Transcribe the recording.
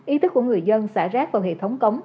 ý thức của người dân xả rác vào hệ thống cống